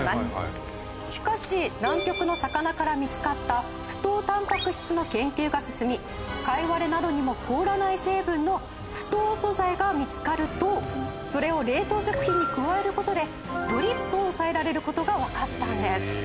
しかし南極の魚から見つかった不凍タンパク質の研究が進みカイワレなどにも凍らない成分の不凍素材が見つかるとそれを冷凍食品に加える事でドリップを抑えられる事がわかったんです。